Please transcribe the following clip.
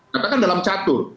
katakan dalam catur